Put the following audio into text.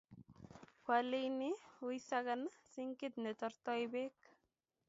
koaleni muisakan sinkit ne tortoi beek